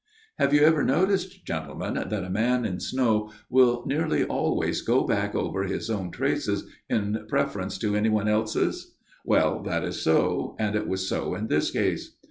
" Have you ever noticed, gentlemen, that a man in snow will nearly always go back over his own traces, in preference to any one else's ? Well, that is so : and it was so in this case.